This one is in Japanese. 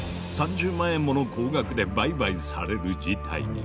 ３０万円もの高額で売買される事態に。